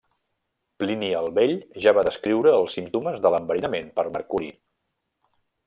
Plini el Vell ja va descriure els símptomes de l'enverinament per mercuri.